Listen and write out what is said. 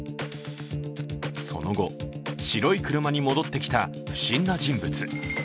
その後、白い車に戻ってきた不審な人物。